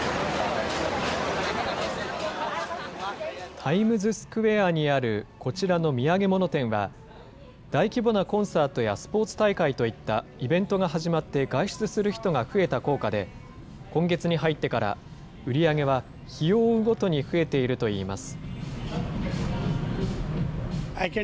タイムズスクエアにあるこちらの土産物店は、大規模なコンサートやスポーツ大会といったイベントが始まって、外出する人が増えた効果で、今月に入ってから、売り上げは日を追うごとに増えているといいます。